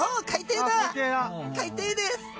海底です。